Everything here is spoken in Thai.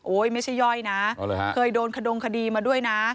ไม่ใช่ย่อยนะเคยโดนขดงคดีมาด้วยนะ